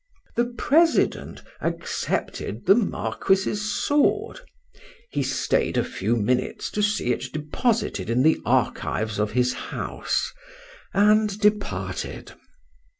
The president accepted the Marquis's sword: he staid a few minutes to see it deposited in the archives of his house—and departed.